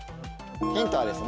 ヒントはですね